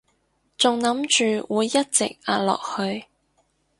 仲諗住會一直壓落去